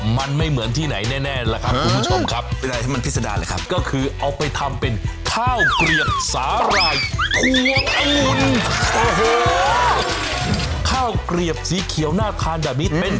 มันคือสาหร่ายพวงองุ่น